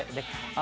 あ